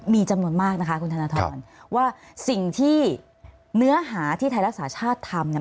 มีจำนวนมากนะคะคุณธนทรว่าสิ่งที่เนื้อหาที่ไทยรักษาชาติทำเนี่ย